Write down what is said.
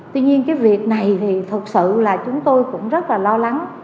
tuy nhiên cái việc này thì thật sự là chúng tôi cũng rất là lo lắng